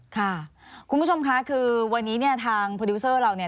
ค่ะคุณผู้ชมค่ะคือวันนี้เนี่ยทางโปรดิวเซอร์เราเนี่ย